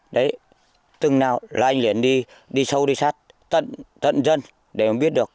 đấy từng nào là anh liền đi sâu đi sát tận dân để mà biết được